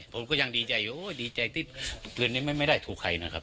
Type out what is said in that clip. ผมก็ยังดีใจดีใจติ๊บปืนนี้ไม่ได้ถูกใครนะครับ